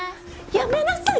やめなさい